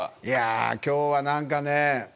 いやー、今日はなんかね